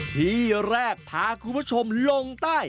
ที่แรกพาคุณผู้ชมลงใต้